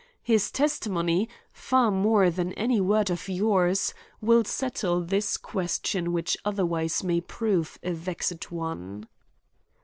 His testimony, far more than any word of yours, will settle this question which otherwise may prove a vexed one."